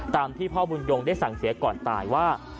ตามที่พ่อบุญยงได้สั่งเสียก่อนตายว่า